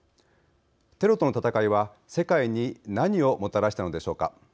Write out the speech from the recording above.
テロとの戦いは世界に何をもたらしたのでしょうか。